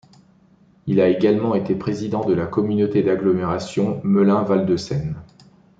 Il a également été président de la communauté d'agglomération Melun Val de Seine.